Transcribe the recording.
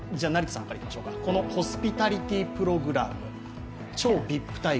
このホスピタリティプログラム、超ＶＩＰ待遇。